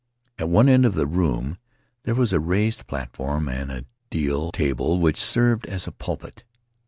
At one end of the room there was a raised platform and a deal table which served as a pulpit.